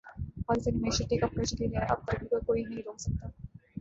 پاکستانی معشیت take off کرچکی ھے اب ترقی کو کوئی نہیں روک سکتا